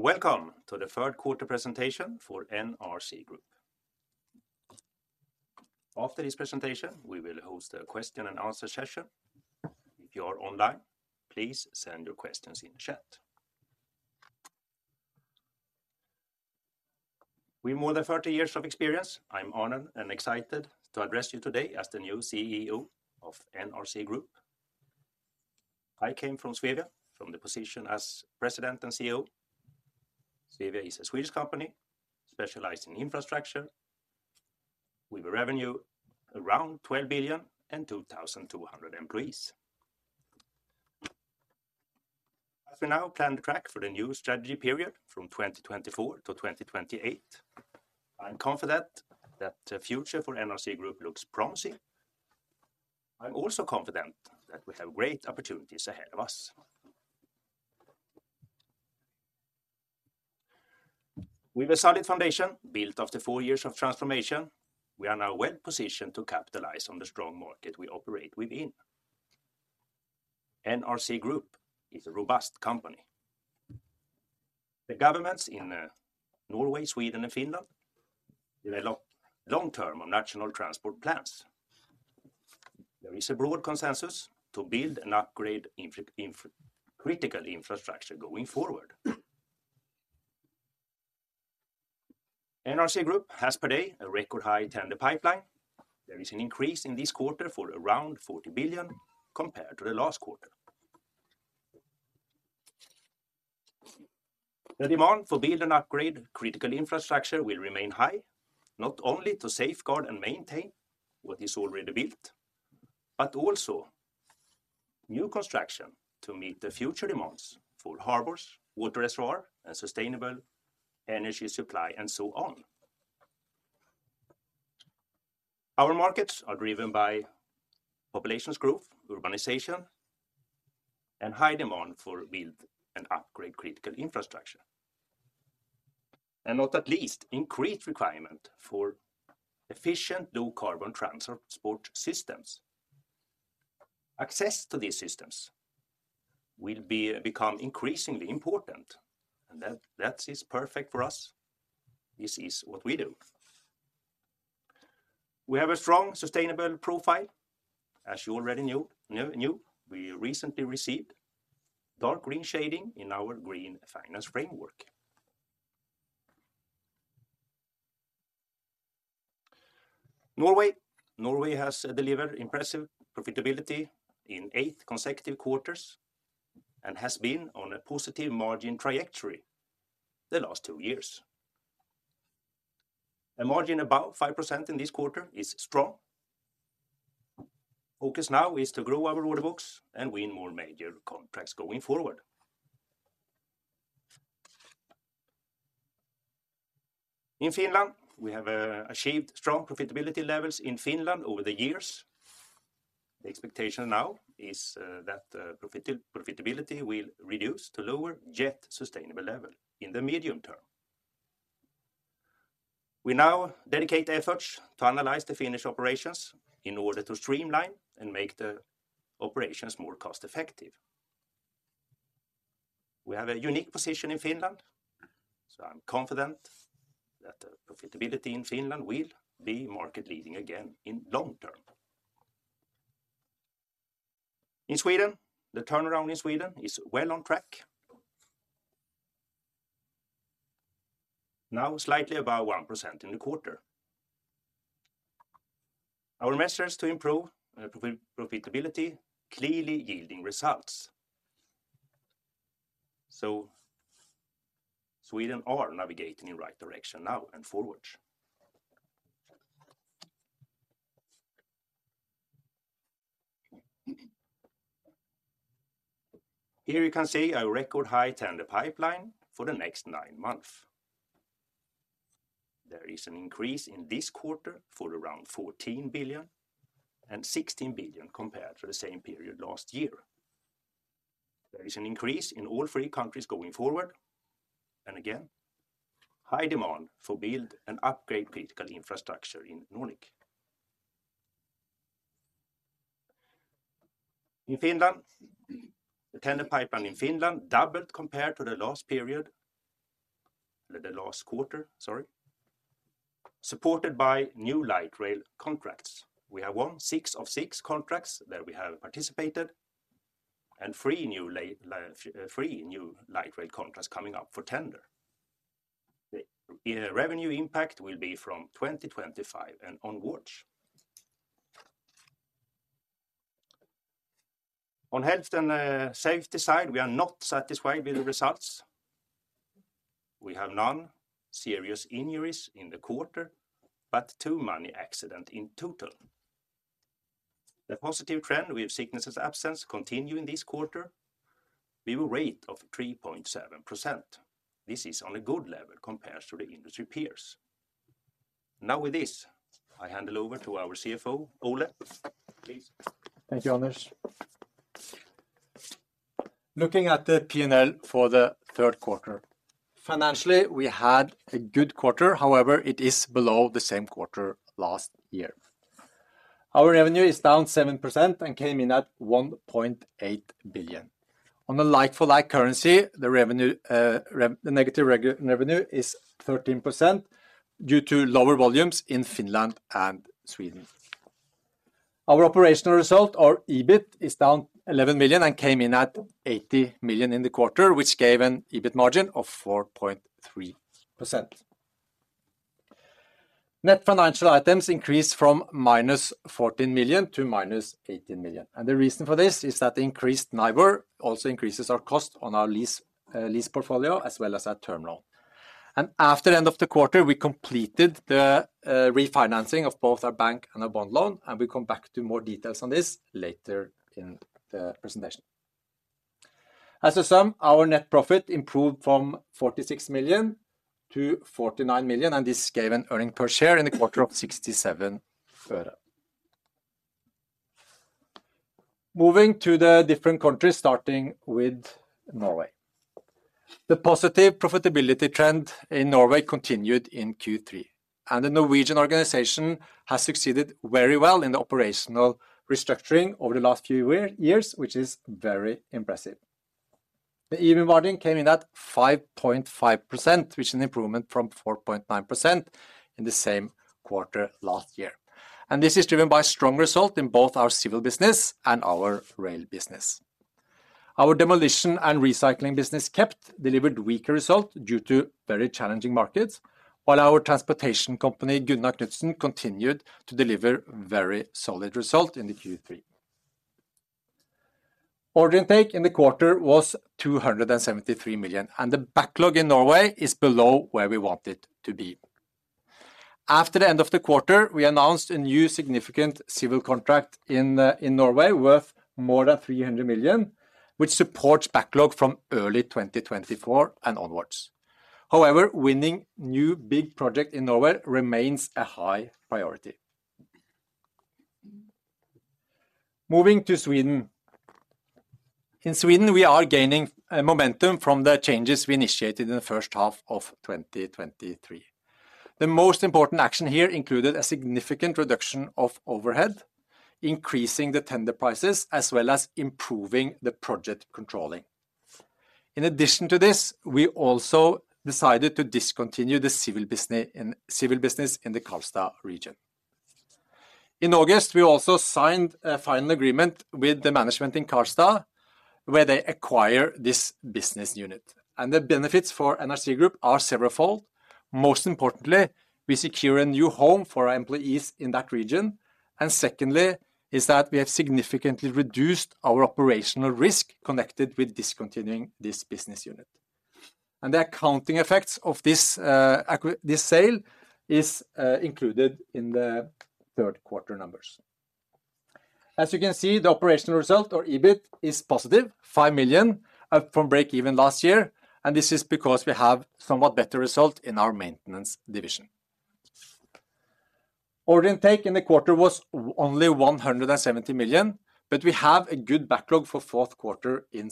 Welcome to the Q3 presentation for NRC Group. After this presentation, we will host a question and answer session. If you are online, please send your questions in the chat. With more than 30 years of experience, I'm honored and excited to address you today as the new CEO of NRC Group. I came from Svevia, from the position as president and CEO. Svevia is a Swedish company specialized in infrastructure, with a revenue around 12 billion and 2,200 employees. As we now plan the track for the new strategy period from 2024 to 2028, I'm confident that the future for NRC Group looks promising. I'm also confident that we have great opportunities ahead of us. With a solid foundation built after 4 years of transformation, we are now well positioned to capitalize on the strong market we operate within. NRC Group is a robust company. The governments in Norway, Sweden, and Finland develop long-term national transport plans. There is a broad consensus to build and upgrade critical infrastructure going forward. NRC Group has today a record high tender pipeline. There is an increase in this quarter for around 40 billion compared to the last quarter. The demand for build and upgrade critical infrastructure will remain high, not only to safeguard and maintain what is already built, but also new construction to meet the future demands for harbors, water reservoir, and sustainable energy supply, and so on. Our markets are driven by population growth, urbanization, and high demand for build and upgrade critical infrastructure, and not least, increased requirement for efficient low-carbon transport systems. Access to these systems will become increasingly important, and that is perfect for us. This is what we do. We have a strong, sustainable profile. As you already knew, we recently received Dark Green shading in our Green Finance Framework. Norway has delivered impressive profitability in eight consecutive quarters and has been on a positive margin trajectory the last two years. A margin about 5% in this quarter is strong. Focus now is to grow our order books and win more major contracts going forward. In Finland, we have achieved strong profitability levels in Finland over the years. The expectation now is that profitability will reduce to lower yet sustainable level in the medium term. We now dedicate efforts to analyze the Finnish operations in order to streamline and make the operations more cost-effective. We have a unique position in Finland, so I'm confident that the profitability in Finland will be market leading again in long term. In Sweden, the turnaround in Sweden is well on track. Now, slightly above 1% in the quarter. Our measures to improve profitability clearly yielding results. So Sweden are navigating in the right direction now and forward. Here you can see a record high tender pipeline for the next nine months. There is an increase in this quarter for around 14 billion and 16 billion compared to the same period last year. There is an increase in all three countries going forward, and again, high demand for build and upgrade critical infrastructure in Nordic. In Finland, the tender pipeline in Finland doubled compared to the last period, the last quarter, sorry, supported by new light rail contracts. We have won 6 of 6 contracts that we have participated, and 3 new light rail contracts coming up for tender. The revenue impact will be from 2025 and onwards. On health and safety side, we are not satisfied with the results. We have none serious injuries in the quarter, but two minor accident in total. The positive trend with sickness absence continue in this quarter. We were rate of 3.7%. This is on a good level compared to the industry peers. Now, with this, I hand it over to our CFO, Ole. Please. Thank you, Anders. Looking at the P&L for the Q3, financially, we had a good quarter. However, it is below the same quarter last year.... Our revenue is down 7% and came in at 1.8 billion. On a like-for-like currency, the revenue growth, the negative revenue growth is 13% due to lower volumes in Finland and Sweden. Our operational result, or EBIT, is down 11 million and came in at 80 million in the quarter, which gave an EBIT margin of 4.3%. Net financial items increased from -14 million to -18 million, and the reason for this is that the increased NIBOR also increases our cost on our lease portfolio as well as our term loan. After the end of the quarter, we completed the refinancing of both our bank and our bond loan, and we come back to more details on this later in the presentation. As a sum, our net profit improved from 46 million to 49 million, and this gave an earnings per share in the quarter of 67 øre. Moving to the different countries, starting with Norway. The positive profitability trend in Norway continued in Q3, and the Norwegian organization has succeeded very well in the operational restructuring over the last few years, which is very impressive. The EBIT margin came in at 5.5%, which is an improvement from 4.9% in the same quarter last year. And this is driven by strong result in both our civil business and our rail business. Our demolition and recycling business kept delivered weaker result due to very challenging markets, while our transportation company, Gunnar Knutsen, continued to deliver very solid result in the Q3. Order intake in the quarter was 273 million, and the backlog in Norway is below where we want it to be. After the end of the quarter, we announced a new significant civil contract in Norway, worth more than 300 million, which supports backlog from early 2024 and onwards. However, winning new big project in Norway remains a high priority. Moving to Sweden. In Sweden, we are gaining momentum from the changes we initiated in the first half of 2023. The most important action here included a significant reduction of overhead, increasing the tender prices, as well as improving the project controlling. In addition to this, we also decided to discontinue the civil business in the Karlstad region. In August, we also signed a final agreement with the management in Karlstad, where they acquire this business unit, and the benefits for NRC Group are several fold. Most importantly, we secure a new home for our employees in that region, and secondly, is that we have significantly reduced our operational risk connected with discontinuing this business unit. And the accounting effects of this, this sale is included in the Q3 numbers. As you can see, the operational result or EBIT is positive, 5 million from breakeven last year, and this is because we have somewhat better result in our maintenance division. Order intake in the quarter was only 170 million, but we have a good backlog for Q4 in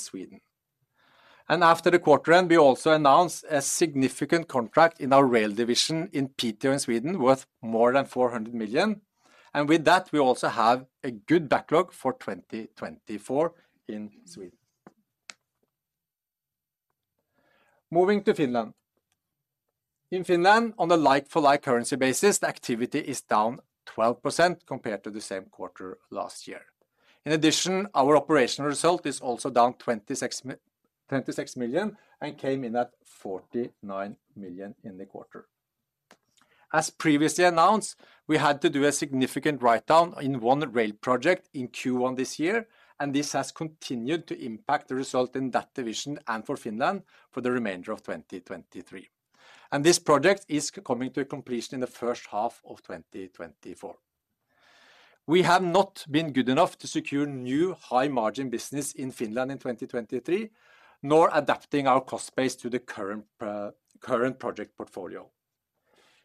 Sweden. After the quarter end, we also announced a significant contract in our rail division in Piteå, in Sweden, worth more than 400 million, and with that, we also have a good backlog for 2024 in Sweden. Moving to Finland. In Finland, on the like-for-like currency basis, the activity is down 12% compared to the same quarter last year. In addition, our operational result is also down 26 million and came in at 49 million in the quarter. As previously announced, we had to do a significant write-down in one rail project in Q1 this year, and this has continued to impact the result in that division and for Finland for the remainder of 2023. This project is coming to completion in the first half of 2024. We have not been good enough to secure new high-margin business in Finland in 2023, nor adapting our cost base to the current project portfolio.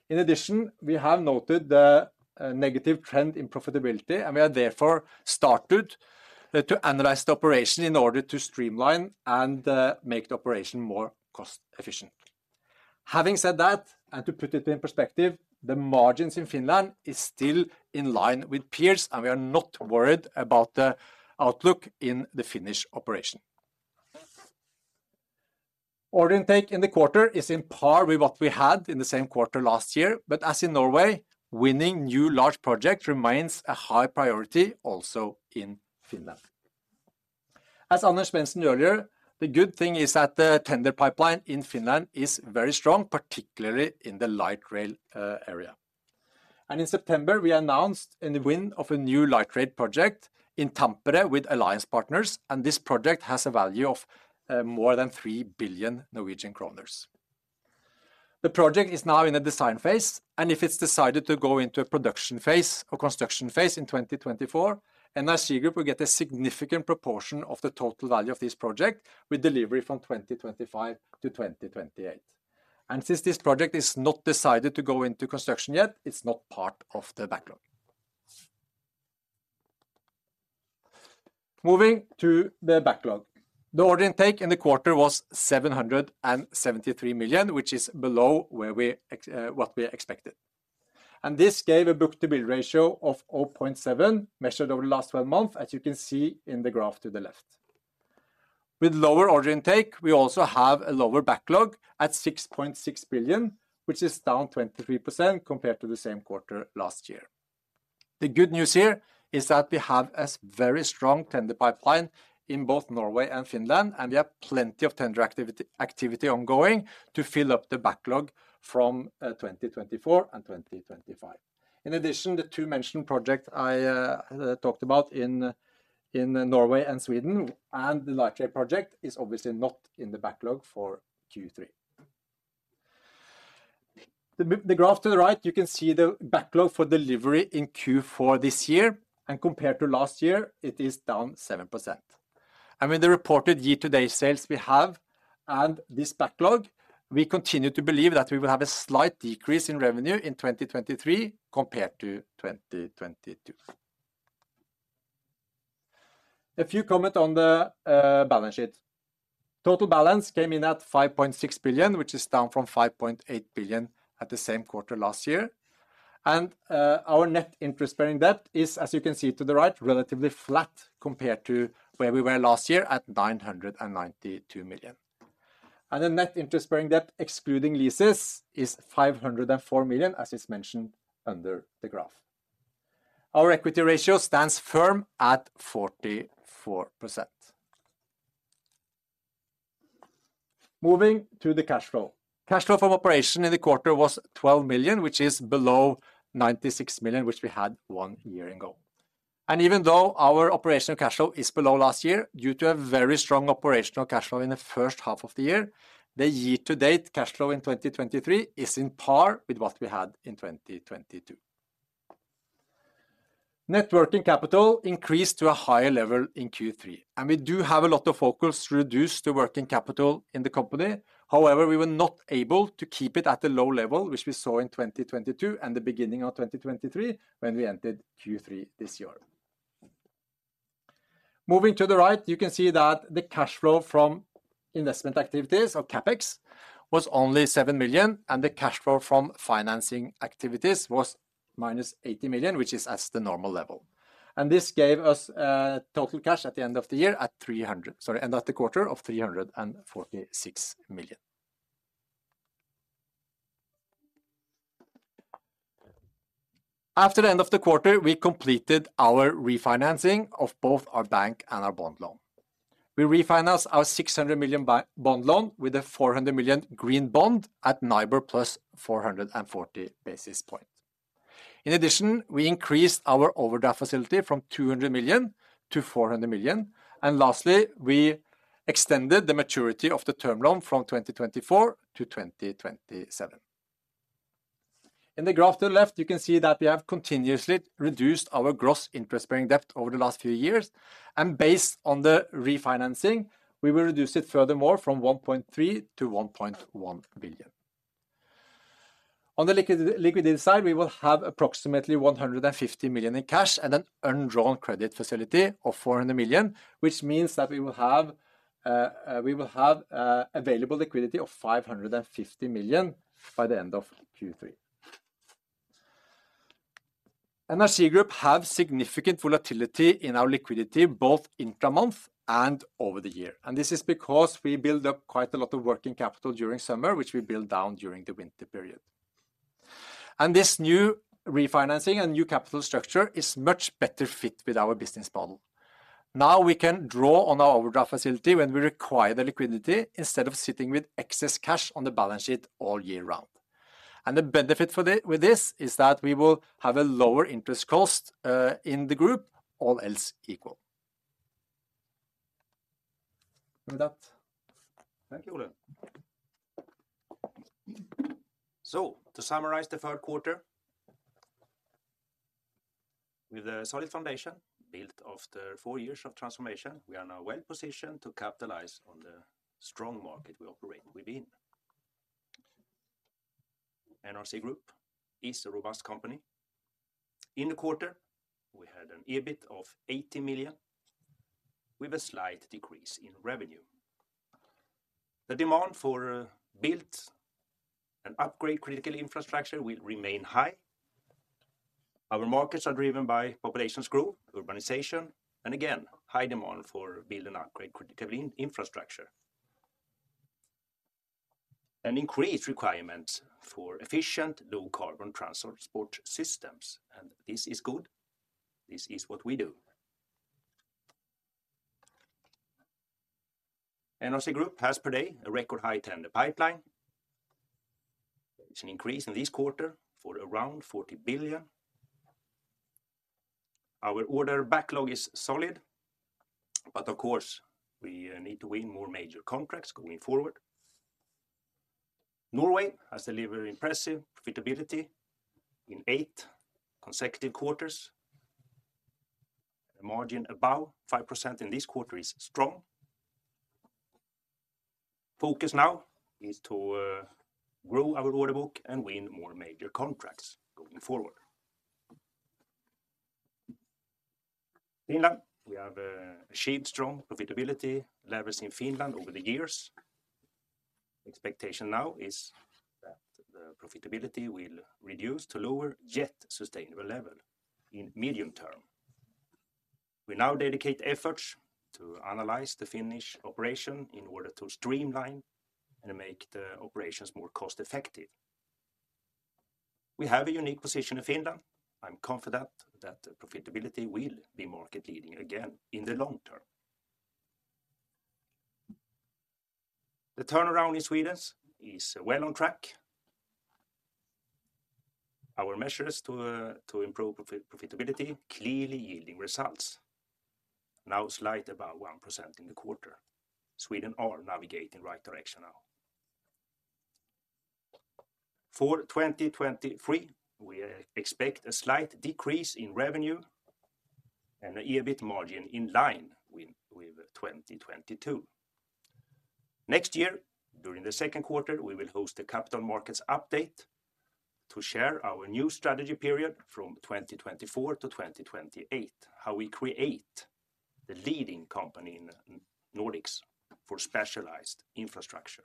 In addition, we have noted the negative trend in profitability, and we have therefore started to analyze the operation in order to streamline and make the operation more cost efficient. Having said that, and to put it in perspective, the margins in Finland is still in line with peers, and we are not worried about the outlook in the Finnish operation. Order intake in the quarter is in par with what we had in the same quarter last year, but as in Norway, winning new large project remains a high priority also in Finland. As Anders mentioned earlier, the good thing is that the tender pipeline in Finland is very strong, particularly in the light rail area. In September, we announced the win of a new light rail project in Tampere with alliance partners, and this project has a value of more than 3 billion Norwegian kroner. The project is now in the design phase, and if it's decided to go into a production phase or construction phase in 2024, NRC Group will get a significant proportion of the total value of this project, with delivery from 2025 to 2028. Since this project is not decided to go into construction yet, it's not part of the backlog. Moving to the backlog. The order intake in the quarter was 773 million, which is below where we expected. This gave a book-to-bill ratio of 0.7, measured over the last 12 months, as you can see in the graph to the left. With lower order intake, we also have a lower backlog at 6.6 billion, which is down 23% compared to the same quarter last year. The good news here is that we have a very strong tender pipeline in both Norway and Finland, and we have plenty of tender activity ongoing to fill up the backlog from 2024 and 2025. In addition, the two mentioned projects I talked about in Norway and Sweden, and the light rail project is obviously not in the backlog for Q3. The graph to the right, you can see the backlog for delivery in Q4 this year, and compared to last year, it is down 7%. With the reported year-to-date sales we have and this backlog, we continue to believe that we will have a slight decrease in revenue in 2023 compared to 2022. A few comment on the balance sheet. Total balance came in at 5.6 billion, which is down from 5.8 billion at the same quarter last year. And our net interest bearing debt is, as you can see to the right, relatively flat compared to where we were last year at 992 million. And the net interest bearing debt, excluding leases, is 504 million, as is mentioned under the graph. Our equity ratio stands firm at 44%. Moving to the cash flow. Cash flow from operation in the quarter was 12 million, which is below 96 million, which we had one year ago. Even though our operational cash flow is below last year, due to a very strong operational cash flow in the first half of the year, the year-to-date cash flow in 2023 is on par with what we had in 2022. Net working capital increased to a higher level in Q3, and we do have a lot of focus to reduce the working capital in the company. However, we were not able to keep it at a low level, which we saw in 2022 and the beginning of 2023 when we entered Q3 this year. Moving to the right, you can see that the cash flow from investment activities or CapEx was only 7 million, and the cash flow from financing activities was -80 million, which is at the normal level. This gave us total cash at the end of the year at 300, sorry, end of the quarter of 346 million. After the end of the quarter, we completed our refinancing of both our bank and our bond loan. We refinanced our 600 million bond loan with a 400 million green bond at NIBOR plus 440 basis point. In addition, we increased our overdraft facility from 200 million to 400 million, and lastly, we extended the maturity of the term loan from 2024 to 2027. In the graph to the left, you can see that we have continuously reduced our gross interest bearing debt over the last few years, and based on the refinancing, we will reduce it furthermore from 1.3 billion to 1.1 billion. On the liquidity side, we will have approximately 150 million in cash and an undrawn credit facility of 400 million, which means that we will have available liquidity of 550 million by the end of Q3. NRC Group have significant volatility in our liquidity, both intra-month and over the year. This is because we build up quite a lot of working capital during summer, which we build down during the winter period. This new refinancing and new capital structure is much better fit with our business model. Now, we can draw on our overdraft facility when we require the liquidity, instead of sitting with excess cash on the balance sheet all year round. The benefit with this is that we will have a lower interest cost in the group, all else equal. With that. Thank you, Ole. So to summarize the Q3, with a solid foundation built after 4 years of transformation, we are now well positioned to capitalize on the strong market we operate within. NRC Group is a robust company. In the quarter, we had an EBIT of 80 million, with a slight decrease in revenue. The demand for built and upgrade critical infrastructure will remain high. Our markets are driven by populations growth, urbanization, and again, high demand for build and upgrade critical infrastructure. And increased requirements for efficient, low carbon transport systems. And this is good. This is what we do. NRC Group has per day, a record high tender pipeline. It's an increase in this quarter for around 40 billion. Our order backlog is solid, but of course, we need to win more major contracts going forward. Norway has delivered impressive profitability in eight consecutive quarters. A margin above 5% in this quarter is strong. Focus now is to grow our order book and win more major contracts going forward. Finland, we have achieved strong profitability levels in Finland over the years. Expectation now is that the profitability will reduce to lower, yet sustainable level in medium term. We now dedicate efforts to analyze the Finnish operation in order to streamline and make the operations more cost effective. We have a unique position in Finland. I'm confident that the profitability will be market leading again in the long term. The turnaround in Sweden is well on track. Our measures to improve profitability clearly yielding results, now slightly about 1% in the quarter. Sweden are navigating right direction now. For 2023, we expect a slight decrease in revenue and the EBIT margin in line with, with 2022. Next year, during the Q2, we will host a Capital Markets Update to share our new strategy period from 2024 to 2028, how we create the leading company in Nordics for specialized infrastructure.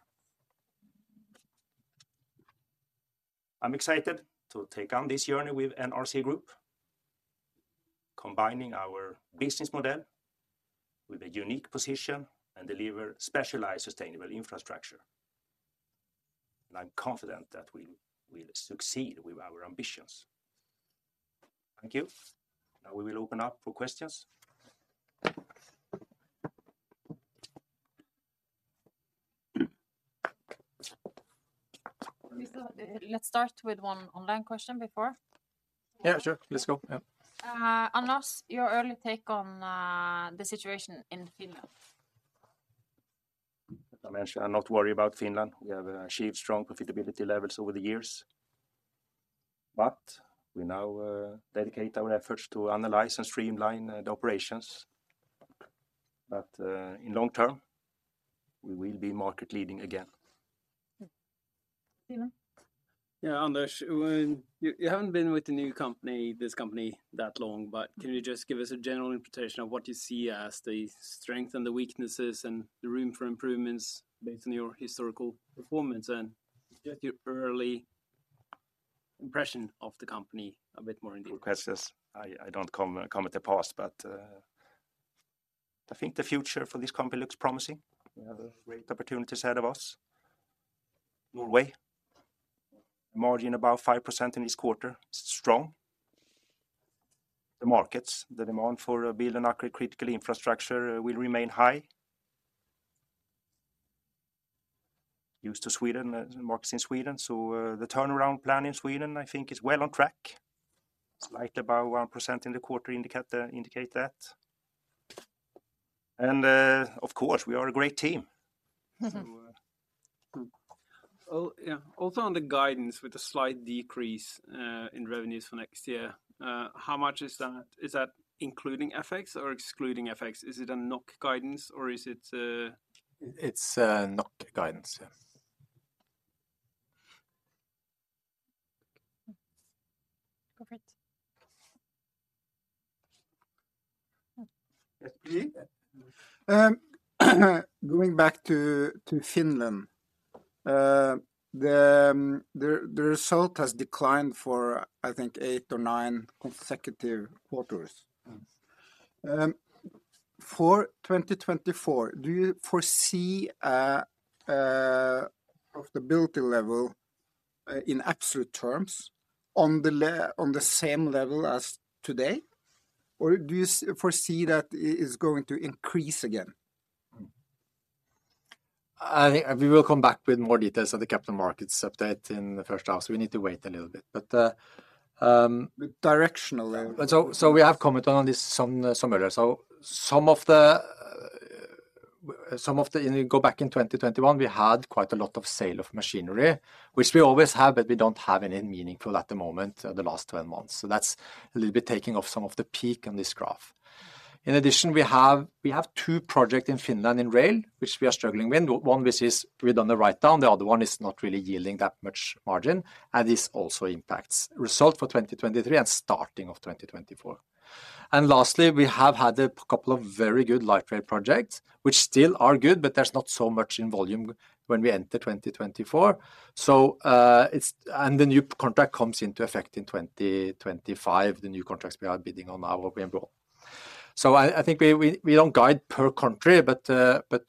I'm excited to take on this journey with NRC Group, combining our business model with a unique position, and deliver specialized, sustainable infrastructure. I'm confident that we will succeed with our ambitions. Thank you. Now we will open up for questions. Let's start with one online question before. Yeah, sure. Let's go. Yeah. Anders, your early take on the situation in Finland? I mentioned I'm not worried about Finland. We have achieved strong profitability levels over the years, but we now dedicate our efforts to analyze and streamline the operations. But, in long term, we will be market leading again. Simen? Yeah, Anders, you haven't been with the new company, this company, that long, but can you just give us a general interpretation of what you see as the strengths and the weaknesses, and the room for improvements based on your historical performance, and just your early impression of the company a bit more in detail? Good questions. I don't comment on the past, but I think the future for this company looks promising. We have a great opportunity ahead of us. Norway margin about 5% in this quarter is strong. The markets, the demand for building accurate critical infrastructure will remain high. As to Sweden markets in Sweden, so the turnaround plan in Sweden, I think, is well on track, slightly above 1% in the quarter indicates that. And of course, we are a great team. Oh, yeah. Also, on the guidance with a slight decrease in revenues for next year, how much is that? Is that including FX or excluding FX? Is it a NOK guidance or is it, It's NOK guidance, yeah. Go for it. Going back to Finland, the result has declined for, I think, eight or nine consecutive quarters. For 2024, do you foresee a profitability level, in absolute terms, on the same level as today, or do you foresee that it is going to increase again? I think we will come back with more details on the Capital Markets Update in the first half, so we need to wait a little bit. But, Directionally. So, we have commented on this some, somewhere. So some of the go back in 2021, we had quite a lot of sales of machinery, which we always have, but we don't have any meaningful at the moment, the last 12 months. So that's a little bit taking off some of the peak on this graph. In addition, we have two project in Finland, in rail, which we are struggling with. One, which is we've done the write-down, the other one is not really yielding that much margin, and this also impacts result for 2023 and starting of 2024. And lastly, we have had a couple of very good light rail projects, which still are good, but there's not so much in volume when we enter 2024. The new contract comes into effect in 2025, the new contracts we are bidding on now, we involve. So I think we don't guide per country, but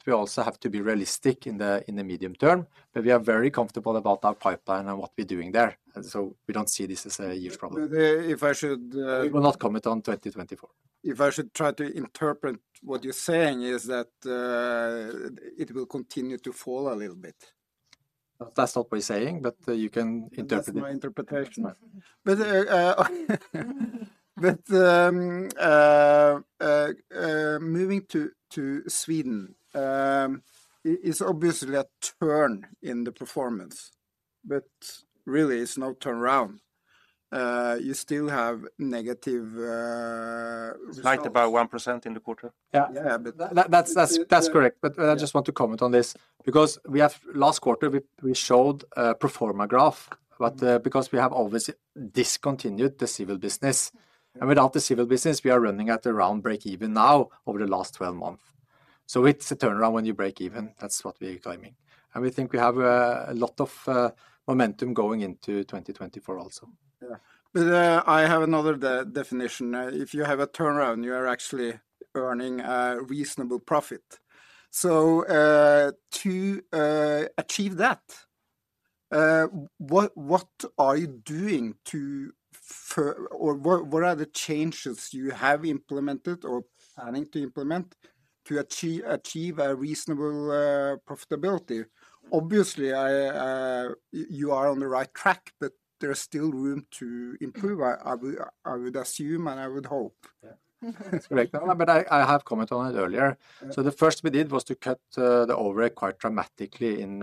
we also have to be realistic in the medium term. But we are very comfortable about our pipeline and what we're doing there, and so we don't see this as a huge problem. If I should, We will not comment on 2024. If I should try to interpret, what you're saying is that, it will continue to fall a little bit. That's not what we're saying, but, you can interpret it. That's my interpretation. But, moving to Sweden, it's obviously a turn in the performance... but really, it's no turnaround. You still have negative results. It's right about 1% in the quarter. Yeah. Yeah, but- That's correct. But I just want to comment on this, because we have-- last quarter, we showed a pro forma graph, but, because we have obviously discontinued the civil business, and without the civil business, we are running at around breakeven now over the last twelve months. So it's a turnaround when you break even. That's what we're claiming, and we think we have a lot of momentum going into 2024 also. Yeah. But, I have another definition. If you have a turnaround, you are actually earning a reasonable profit. So, to achieve that, what are you doing to further or what are the changes you have implemented or planning to implement to achieve a reasonable profitability? Obviously, you are on the right track, but there is still room to improve, I would assume, and I would hope. Yeah. That's great. No, but I, I have commented on it earlier. Yeah. So the first we did was to cut the overhead quite dramatically in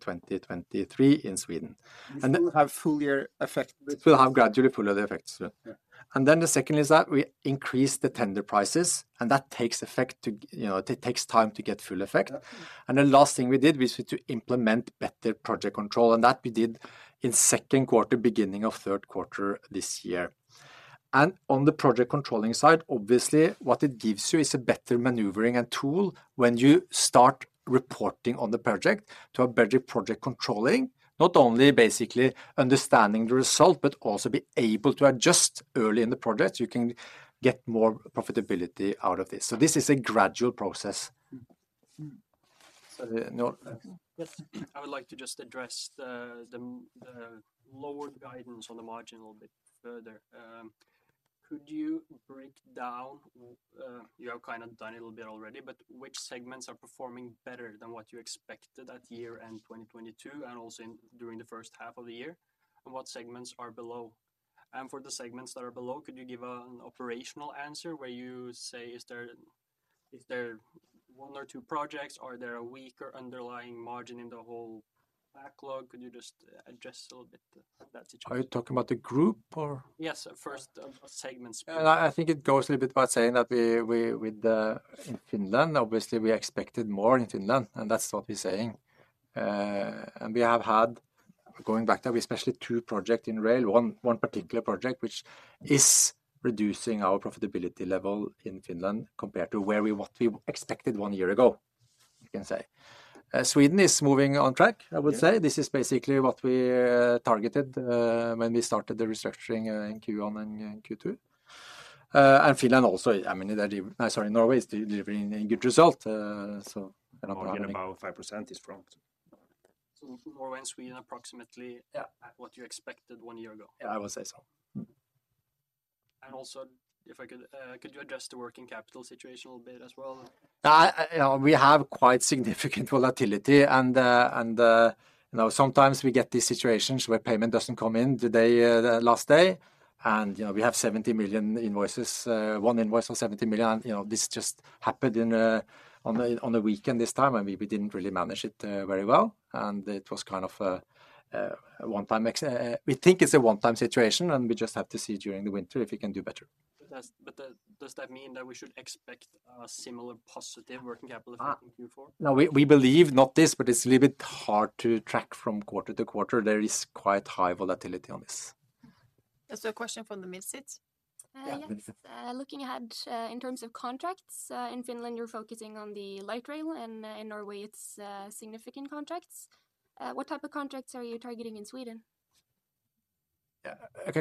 2023 in Sweden. And then- You still have fuller effect. We still have gradually fuller effects. Yeah. Yeah. And then the second is that we increased the tender prices, and that takes effect to... You know, it takes time to get full effect. Yeah. The last thing we did was to implement better project control, and that we did in Q2, beginning of Q3 this year. On the project controlling side, obviously, what it gives you is a better maneuvering and tool when you start reporting on the project to a better project controlling, not only basically understanding the result, but also be able to adjust early in the project. You can get more profitability out of this, so this is a gradual process. Yes, I would like to just address the lower guidance on the margin a little bit further. Could you break down, you have kind of done it a little bit already, but which segments are performing better than what you expected at year-end 2022, and also during the first half of the year? And what segments are below? And for the segments that are below, could you give an operational answer where you say, "Is there one or two projects? Are there a weaker underlying margin in the whole backlog?" Could you just address a little bit that situation? Are you talking about the group or? Yes, first of segments. I think it goes a little bit by saying that we in Finland, obviously we expected more in Finland, and that's what we're saying. And we have had, going back to especially two projects in rail, one particular project, which is reducing our profitability level in Finland compared to where we... What we expected one year ago, you can say. Sweden is moving on track, I would say. Yeah. This is basically what we targeted when we started the restructuring in Q1 and Q2. And Finland also, I mean, they're delivering, sorry, Norway is delivering a good result, so about- margin about 5% is from- Norway and Sweden, approximately- Yeah... at what you expected one year ago? Yeah, I would say so. Mm-hmm. Also, if I could, could you address the working capital situation a little bit as well? You know, we have quite significant volatility, and you know, sometimes we get these situations where payment doesn't come in the day, the last day, and you know, we have 70 million invoices, one invoice of 70 million. You know, this just happened in, on a weekend this time, and we didn't really manage it very well, and it was kind of a one-time, we think it's a one-time situation, and we just have to see during the winter if we can do better. Does that mean that we should expect a similar positive working capital in Q4? No, we believe not this, but it's a little bit hard to track from quarter to quarter. There is quite high volatility on this. There's a question from the mid seat. Yeah. Yes, looking ahead, in terms of contracts, in Finland, you're focusing on the light rail, and in Norway, it's significant contracts. What type of contracts are you targeting in Sweden? Yeah, I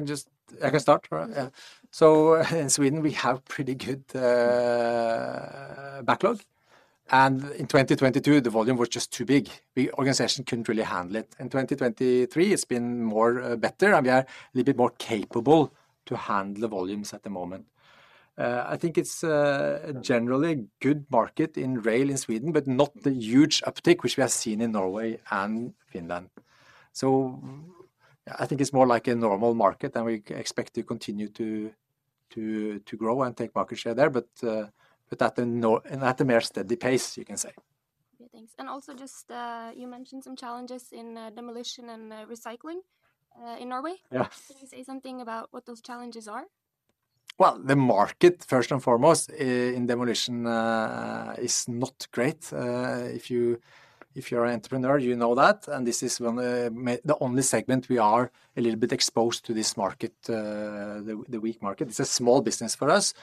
can start, right? Yeah. So in Sweden, we have pretty good backlog, and in 2022, the volume was just too big. The organization couldn't really handle it. In 2023, it's been more better, and we are a little bit more capable to handle the volumes at the moment. I think it's generally good market in rail in Sweden, but not the huge uptick, which we have seen in Norway and Finland. So I think it's more like a normal market than we expect to continue to grow and take market share there, but at a more steady pace, you can say. Okay, thanks. And also, just, you mentioned some challenges in demolition and recycling in Norway. Yeah. Can you say something about what those challenges are? Well, the market, first and foremost, in demolition, is not great. If you're an entrepreneur, you know that, and this is one, the only segment we are a little bit exposed to this market, the weak market. It's a small business for us,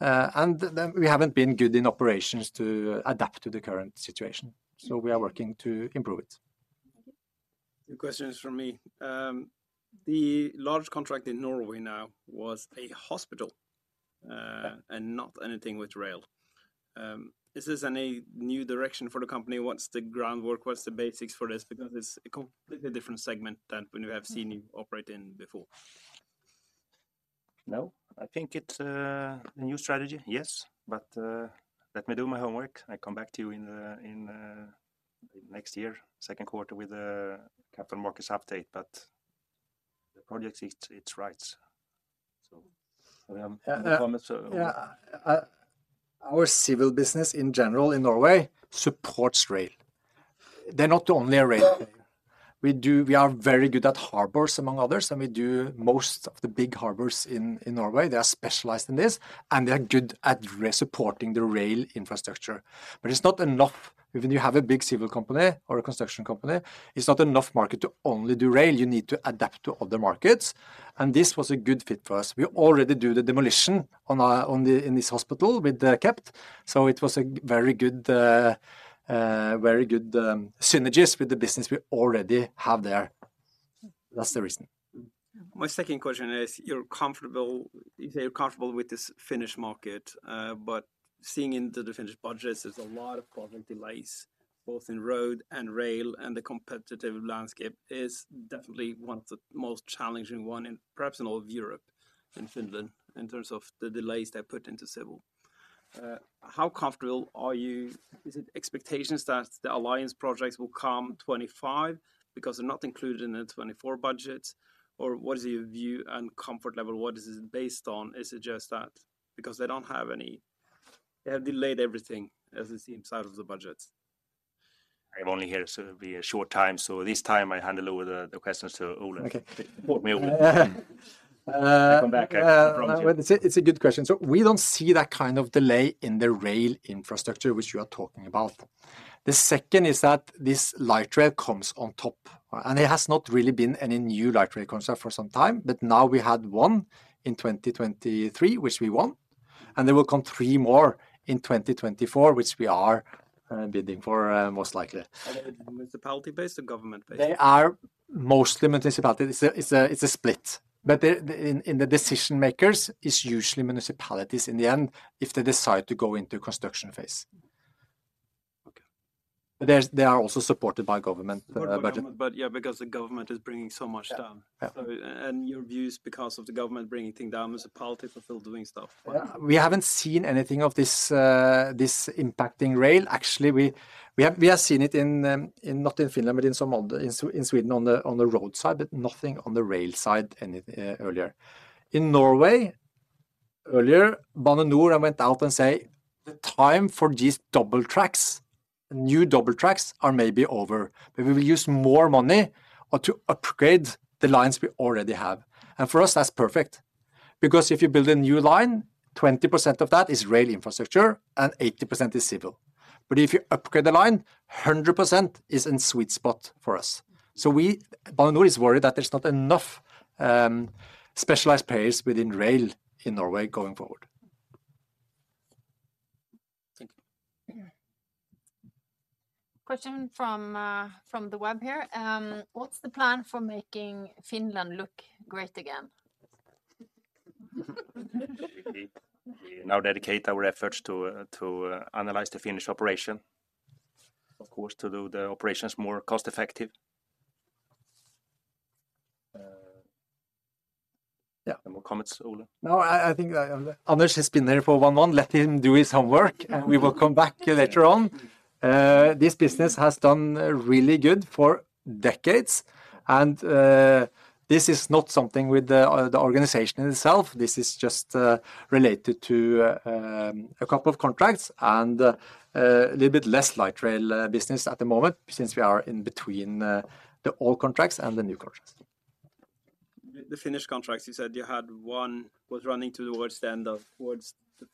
and then we haven't been good in operations to adapt to the current situation, so we are working to improve it. Thank you. The question is from me. The large contract in Norway now was a hospital. Yeah... and not anything with rail. Is this any new direction for the company? What's the groundwork, what's the basics for this? Because it's a completely different segment than when you have seen-... you operate in before. No, I think it's a new strategy, yes, but let me do my homework and come back to you in next year, Q2, with a Capital Markets Update, but the project fits. It's right. Yeah, our civil business in general in Norway supports rail. They're not only a rail. We are very good at harbors, among others, and we do most of the big harbors in Norway. They are specialized in this, and they are good at supporting the rail infrastructure. But it's not enough. Even you have a big civil company or a construction company, it's not enough market to only do rail, you need to adapt to other markets, and this was a good fit for us. We already do the demolition in this hospital with the kept, so it was a very good synergies with the business we already have there. That's the reason. My second question is, you're comfortable, you say you're comfortable with this Finnish market, but seeing in the Finnish budgets, there's a lot of cost and delays, both in road and rail, and the competitive landscape is definitely one of the most challenging one in perhaps in all of Europe, in Finland, in terms of the delays they put into civil. How comfortable are you? Is it expectations that the alliance projects will come 2025 because they're not included in the 2024 budget? Or what is your view and comfort level? What is this based on? Is it just that because they don't have any, they have delayed everything, as I see, inside of the budget. I'm only here, so it'll be a short time. This time I hand over the questions to Ole. Okay. Welcome back. Well, it's a, it's a good question. So we don't see that kind of delay in the rail infrastructure, which you are talking about. The second is that this light rail comes on top, and it has not really been any new light rail concept for some time, but now we had one in 2023, which we won, and there will come three more in 2024, which we are bidding for, most likely. Are they municipality-based or government-based? They are mostly municipality. It's a split, but in the decision makers, it's usually municipalities in the end, if they decide to go into construction phase. Okay. They are also supported by government budget. But, yeah, because the government is bringing so much down. Yeah. So, and your view is because of the government bringing things down, municipalities are still doing stuff? We haven't seen anything of this, this impacting rail. Actually, we have seen it in, not in Finland, but in some other, in Sweden, on the roadside, but nothing on the rail side any earlier. In Norway, earlier, Bane NOR went out and say, "The time for these double tracks, new double tracks are maybe over, but we will use more money or to upgrade the lines we already have." And for us, that's perfect, because if you build a new line, 20% of that is rail infrastructure and 80% is civil. But if you upgrade the line, 100% is in sweet spot for us. So we... Bane NOR is worried that there's not enough, specialized players within rail in Norway going forward. Thank you. Question from, from the web here. What's the plan for making Finland look great again? We now dedicate our efforts to analyze the Finnish operation, of course, to do the operations more cost-effective. Yeah. Any more comments, Ole? No, I think Anders has been there for one month. Let him do his homework, and we will come back later on. This business has done really good for decades, and this is not something with the organization itself. This is just related to a couple of contracts and a little bit less light rail business at the moment, since we are in between the old contracts and the new contracts. The Finnish contracts, you said you had one was running towards the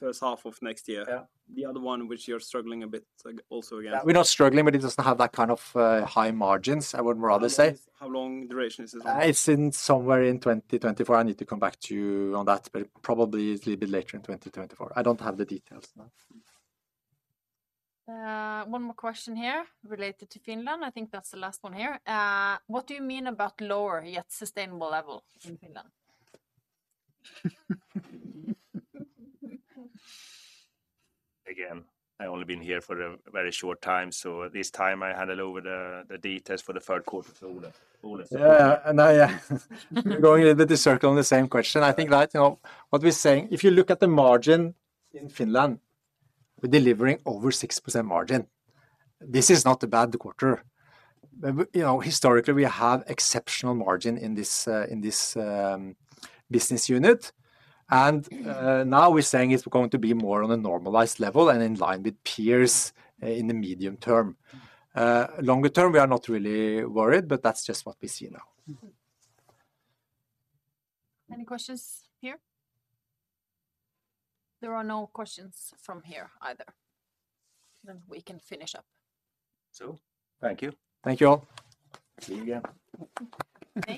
first half of next year. Yeah. The other one, which you're struggling a bit, like, also again- We're not struggling, but it doesn't have that kind of, high margins, I would rather say. How long, how long duration is this one? It's in somewhere in 2024. I need to come back to you on that, but probably it's a little bit later in 2024. I don't have the details now. One more question here related to Finland. I think that's the last one here. What do you mean about lower, yet sustainable level in Finland? Again, I've only been here for a very short time, so this time I had a little over the details for the Q3 for Ole. Ole- Yeah, and I, going a bit the circle on the same question. I think that, you know, what we're saying, if you look at the margin in Finland, we're delivering over 6% margin. This is not a bad quarter. But, you know, historically, we have exceptional margin in this, in this, business unit, and, now we're saying it's going to be more on a normalized level and in line with peers, in the medium term. Longer term, we are not really worried, but that's just what we see now. Any questions here? There are no questions from here either. Then we can finish up. Thank you. Thank you, all. See you again. Thank you.